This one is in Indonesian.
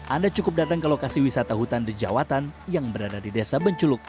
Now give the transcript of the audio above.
anda cukup datang ke lokasi wisata hutan dejawatan yang berada di desa benculuk